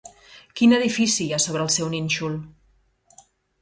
Quin edifici hi ha sobre el seu nínxol?